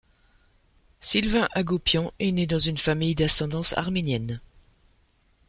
Sylvain Hagopian, est né dans une famille d'ascendance arménienne.